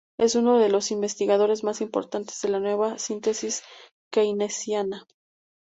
Es uno de los investigadores más importantes de la nueva síntesis keynesiana.